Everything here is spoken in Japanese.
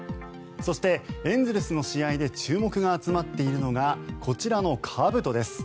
そしてエンゼルスの試合で注目が集まっているのがこちらのかぶとです。